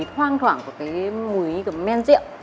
hoang thoảng của cái mùi men rượu